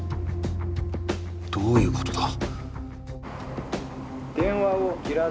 どういうことだ？